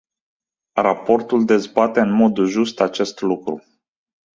Raportul dezbate în mod just acest lucru.